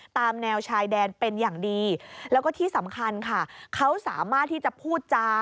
ตามแนวชายแดนเป็นอย่างดีแล้วก็ที่สำคัญค่ะเขาสามารถที่จะพูดจา